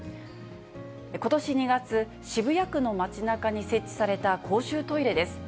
ことし２月、渋谷区の街なかに設置された公衆トイレです。